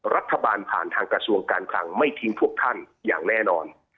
รัฐบาลผ่านทางกระทรวงการคลังไม่ทิ้งพวกท่านอย่างแน่นอน